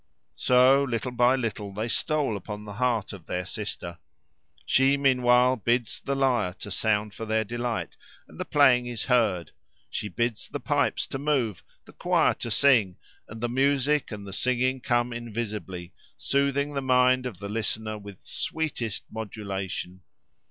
So, little by little, they stole upon the heart of their sister. She, meanwhile, bids the lyre to sound for their delight, and the playing is heard: she bids the pipes to move, the quire to sing, and the music and the singing come invisibly, soothing the mind of the listener with sweetest modulation.